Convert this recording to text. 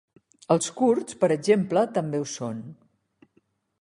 Els kurds, per exemple, també ho són.